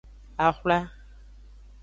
Axwla.